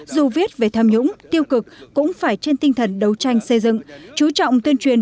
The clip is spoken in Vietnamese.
dù viết về tham nhũng tiêu cực cũng phải trên tinh thần đấu tranh xây dựng chú trọng tuyên truyền